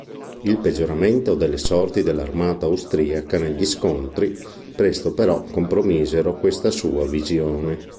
Il peggioramento delle sorti dell'armata austriaca negli scontri, presto però compromisero questa sua visione.